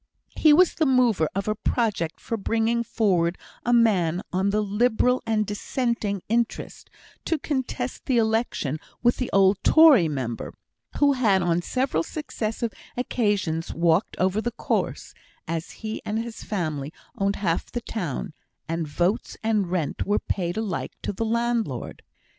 He was the mover of a project for bringing forward a man on the Liberal and Dissenting interest, to contest the election with the old Tory member, who had on several successive occasions walked over the course, as he and his family owned half the town, and votes and rent were paid alike to the landlord.